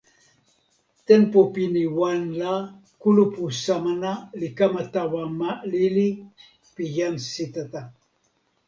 tenpo pini wan la kulupu Samana li kama tawa ma lili pi jan Sitata.